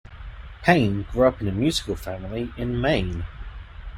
Paine grew up in a musical family in Maine.